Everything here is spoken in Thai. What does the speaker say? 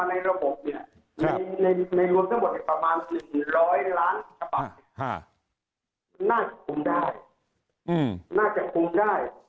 ในรวมทั้งหมดประมาณ๑๐๐ล้านกระป๋าน่าจะคุ้มได้